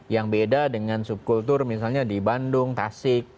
yang beda dengan subkultur misalnya di bandung tasik